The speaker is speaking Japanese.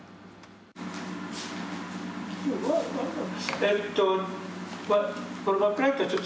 えっと